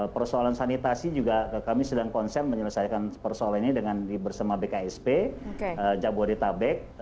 persoalan sanitasi juga kami sedang konsep menyelesaikan persoalan ini dengan bersama bksp jabodetabek